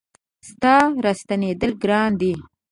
ستا را ستنېدل ګران دي